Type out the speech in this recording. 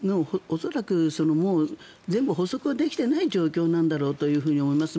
恐らく、もう全部捕捉ができていない状態なんだろうと思います。